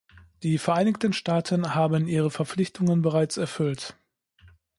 Die Vereinigten Staaten haben ihre Verpflichtungen bereits erfüllt.